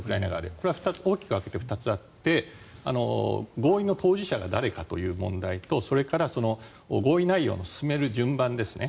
これは大きく分けて２つあって合意の当事者が誰かという問題とそれから合意内容を進める順番ですね。